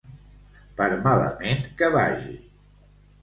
Per malament que vagi.